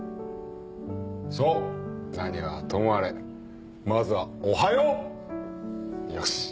そう何はともあれまずは「おはよう！よし！」